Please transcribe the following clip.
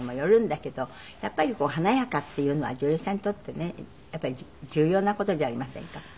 やっぱり華やかっていうのは女優さんにとってねやっぱり重要な事じゃありませんか。